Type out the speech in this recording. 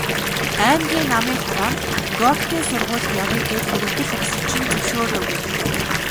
Аймгийн Намын хороонд Горькийн сургуульд явъя гээд өргөдөл өгсөн чинь зөвшөөрөөгүй.